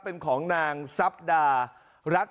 เป็นของนางซับดารัฐ